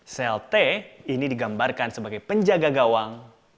sel t ini digambarkan sebagai penjaga gawang